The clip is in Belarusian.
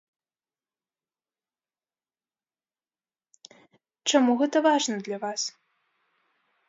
Чаму гэта важна для вас?